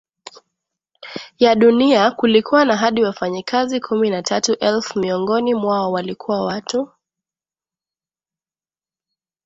ya Dunia kulikuwa na hadi wafanyakazi kumi na tatu elfu Miongoni mwao walikuwa watu